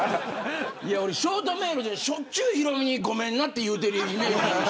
俺、ショートメールでしょっちゅうヒロミにごめんなって言ってるイメージがある。